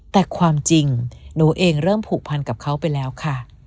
แต่ความจริงหนูเองเริ่มผูกพันกับเขาไปแล้วค่ะ